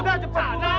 biar dia biar dia